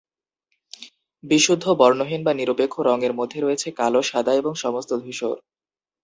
বিশুদ্ধ বর্ণহীন বা নিরপেক্ষ রঙের মধ্যে রয়েছে কালো, সাদা এবং সমস্ত ধূসর।